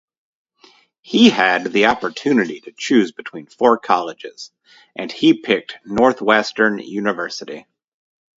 He had the opportunity to choose between four colleges and he picked Northwestern University.